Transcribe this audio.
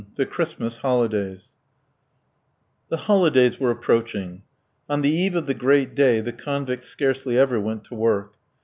THE CHRISTMAS HOLIDAYS The holidays were approaching. On the eve of the great day the convicts scarcely ever went to work.